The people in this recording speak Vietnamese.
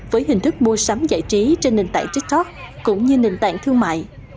với hình thức mua sắm giải trí trên nền tảng tiktok cũng như nền tảng thương mại